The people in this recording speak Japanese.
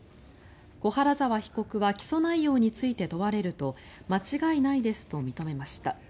小原澤被告は起訴内容について問われると間違いないですと認めました。